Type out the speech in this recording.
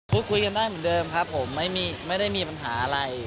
พูดคุยกันได้เหมือนเดิมครับผมไม่ได้มีปัญหาอะไร